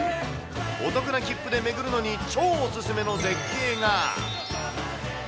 お得な切符で巡るのに超お勧めの絶景が。